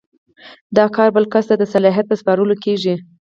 دا کار بل کس ته د صلاحیت په سپارلو کیږي.